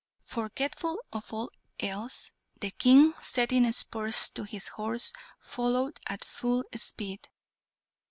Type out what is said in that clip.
Forgetful of all else, the King, setting spurs to his horse, followed at full speed.